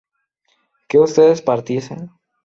¿que ustedes partiesen?